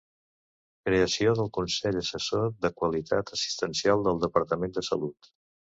Creació del Consell Assessor de Qualitat Assistencial del Departament de Salut.